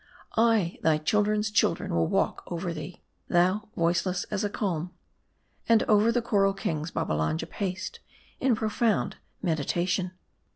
Ay, thy chil dren's children will walk over thee : thou, voiceless as a calm." And over the Coral Kings, Babbalanja paced in profound meditation.